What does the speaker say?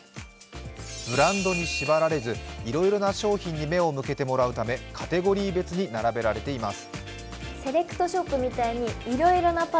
ブランドに縛られず、いろいろな商品に目を向けてもらうためカテゴリー別に並べられています。